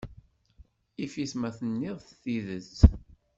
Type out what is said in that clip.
Yif-it ma tenniḍ-d tidet.